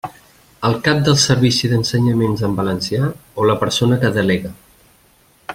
El cap del Servici d'Ensenyaments en Valencià o la persona que delegue.